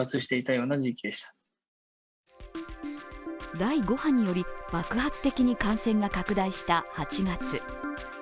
第５波により、爆発的に感染が拡大した８月。